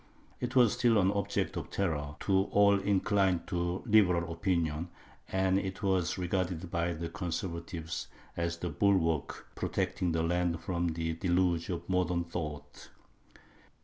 It was still an object of terror to all inclined to liberal opinions, and it was regarded by the Conservatives as the bulwark protecting the land from the deluge of modern thought.